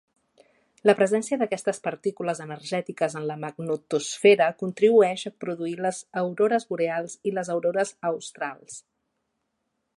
La presència d'aquestes partícules energètiques en la magnetosfera contribueix a produir les aurores boreals i les aurores australs